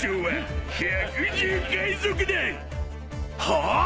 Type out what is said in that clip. はあ！？